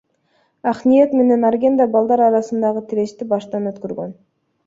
Акниет менен Арген да балдар арасындагы тирешти баштан өткөргөн.